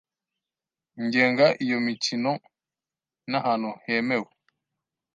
igenga iyo mikino n’ahantu hemewe